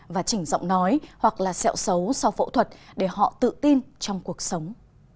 và chỉnh giọng nói hoặc là sẹo xấu sau phẫu thuật để họ tự tin trong cuộc sống